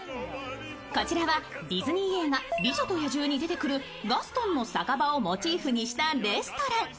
こちらはディズニー映画「美女と野獣」に出てくるガストンの酒場をモチーフにしたレストラン。